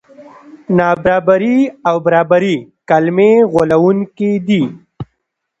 نابرابري او برابري کلمې غولوونکې دي.